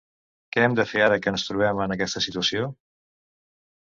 Què hem de fer ara que ens trobem en aquesta situació?